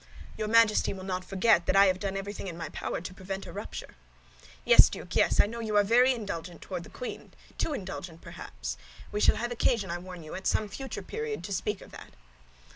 "Your Majesty will not forget that I have done everything in my power to prevent a rupture." "Yes, Duke, yes, I know you are very indulgent toward the queen, too indulgent, perhaps; we shall have occasion, I warn you, at some future period to speak of that."